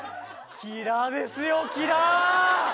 キラですよ、キラ。